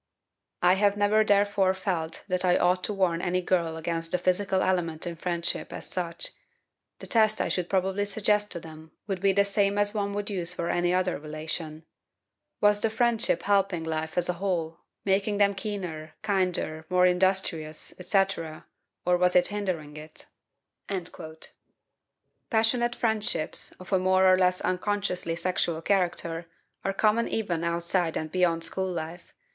I have never therefore felt that I ought to warn any girl against the physical element in friendship, as such. The test I should probably suggest to them would be the same as one would use for any other relation was the friendship helping life as a whole, making them keener, kinder, more industrious, etc., or was it hindering it?" Passionate friendships, of a more or less unconsciously sexual character, are common even outside and beyond school life.